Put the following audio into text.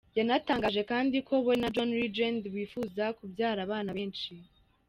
Yanatangaje kandi ko we na John Legend bifuza kubyara abana benshi.